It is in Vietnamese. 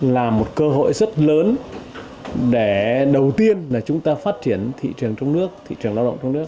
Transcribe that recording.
là một cơ hội rất lớn để đầu tiên là chúng ta phát triển thị trường trong nước thị trường lao động trong nước